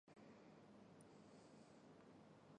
据传出没于南新泽西州的松林泥炭地。